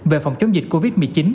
về phòng chống dịch covid một mươi chín